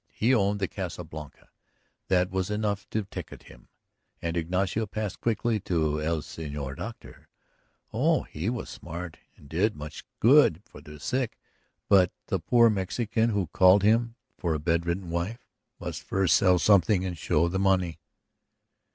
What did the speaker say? He owned the Casa Blanca; that was enough to ticket him, and Ignacio passed quickly to el señor doctor. Oh, he was smart and did much good to the sick; but the poor Mexican who called him for a bedridden wife must first sell something and show the money.